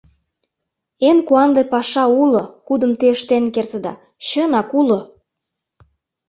— Эн куанле паша уло, кудым те ыштен кертыда... чынак, уло!